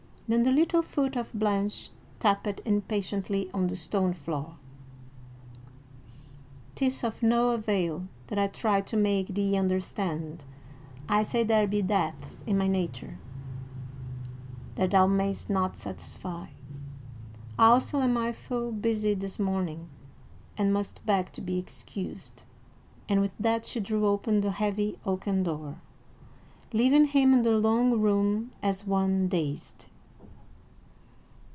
Then the little foot of Blanche tapped impatiently on the stone floor. "'Tis of no avail that I try to make thee understand! I say there be depths in my nature that thou mayst not satisfy; also am I full busy this morning and must beg to be excused" and with that she drew open the heavy oaken door, leaving him in the long room as one dazed.